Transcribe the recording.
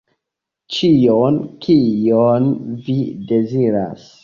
Ĉion, kion vi deziras.